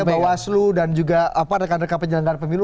bahwa aslu dan juga rekan rekan penjelang penjelang pemilu